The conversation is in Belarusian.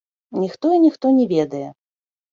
Ніхто і ніхто не ведае.